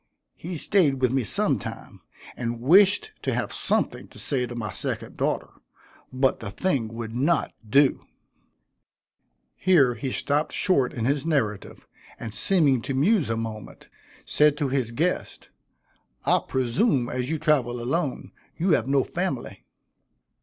He staid with me sometime, and wished to have something to say to my second daughter, but the thing would not do." Here he stopped short in his narrative, and seeming to muse a moment, said to his guest, "I presume, as you travel alone, you have no family."